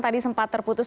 tadi sempat terputus